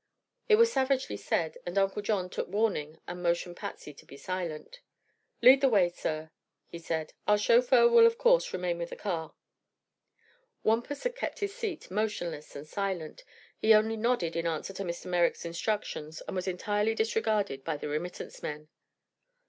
It was savagely said, and Uncle John took warning and motioned Patsy to be silent. "Lead the way, sir," he said. "Our chauffeur will of course remain with the car." Wampus had kept his seat, motionless and silent. He only nodded in answer to Mr. Merrick's instructions and was entirely disregarded by the remittance men.